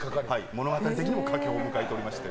物語的にも佳境を迎えておりまして。